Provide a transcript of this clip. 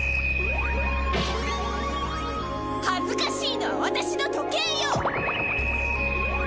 恥ずかしいのはワタシの時計よ！